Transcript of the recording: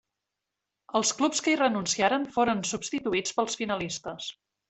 Els clubs que hi renunciaren foren substituïts pels finalistes.